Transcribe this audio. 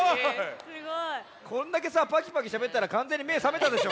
こんだけさパキパキしゃべったらかんぜんにめさめたでしょ？